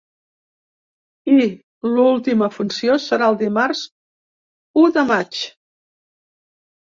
I l’última funció serà el dimarts u de maig.